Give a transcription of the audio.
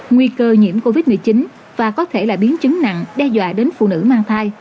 nguy cơ nhiễm covid một mươi chín và có thể là biến chứng nặng đe dọa đến phụ nữ mang thai